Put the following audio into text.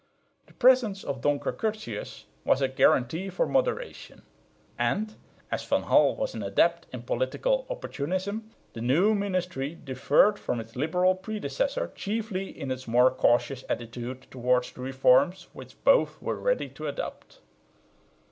The presence of Donker Curtius was a guarantee for moderation; and, as Van Hall was an adept in political opportunism, the new ministry differed from its liberal predecessor chiefly in its more cautious attitude towards the reforms which both were ready to adopt.